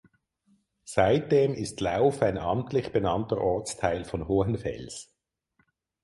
Seitdem ist Lauf ein amtlich benannter Ortsteil von Hohenfels.